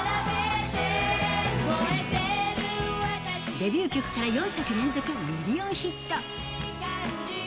デビュー曲から４作連続ミリオンヒット。